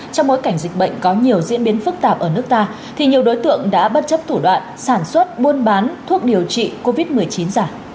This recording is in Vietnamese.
trong bối cảnh dịch bệnh có nhiều diễn biến phức tạp ở nước ta thì nhiều đối tượng đã bất chấp thủ đoạn sản xuất buôn bán thuốc điều trị covid một mươi chín giả